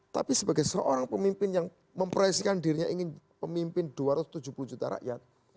tapi sebagai seorang pemimpin yang memproyeksikan dirinya ingin pemimpin dua ratus tujuh puluh juta rakyat